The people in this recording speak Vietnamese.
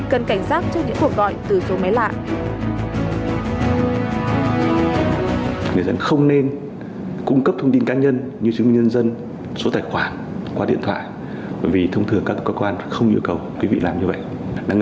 cần cảnh giác cho những cuộc gọi từ số máy lạ